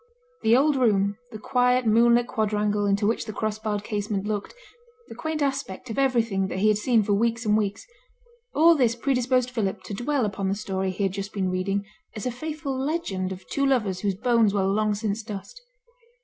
The old room, the quiet moonlit quadrangle into which the cross barred casement looked, the quaint aspect of everything that he had seen for weeks and weeks; all this predisposed Philip to dwell upon the story he had just been reading as a faithful legend of two lovers whose bones were long since dust.